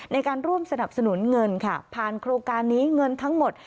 ในการร่วมสนับสนุนเงินค่ะผ่านโครงการนี้เงินทั้งหมด